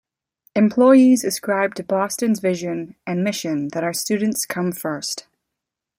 Employees ascribe to Boston's vision and mission that our students come first.